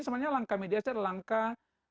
sebenarnya langkah mediasi adalah langkah